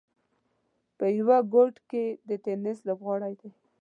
په یوه ګوټ کې یې د ټېنس لوبغالی دی.